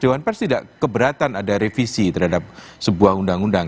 dewan pers tidak keberatan ada revisi terhadap sebuah undang undang